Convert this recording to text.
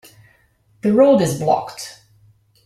The road is blocked.